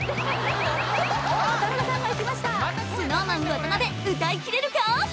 ＳｎｏｗＭａｎ渡辺歌いきれるか？